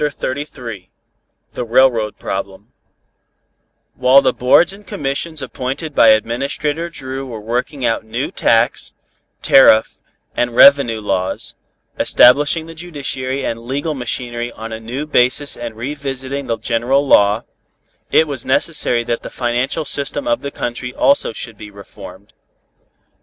CHAPTER XXXIII THE RAILROAD PROBLEM While the boards and commissions appointed by Administrator Dru were working out new tax, tariff and revenue laws, establishing the judiciary and legal machinery on a new basis and revising the general law, it was necessary that the financial system of the country also should be reformed.